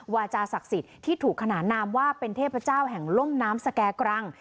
วาจาศักดิ์สิทธิ์ที่ถูกขนานนามว่าเป็นเทพเจ้าแห่งล่มน้ำสแก่กรัง